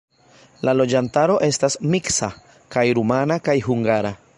La loĝantaro estas miksa: kaj rumana kaj hungara.